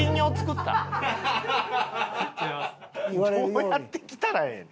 どうやって着たらええ？